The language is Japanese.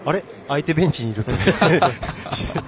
相手ベンチにいるって。